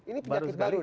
ini penyakit baru ini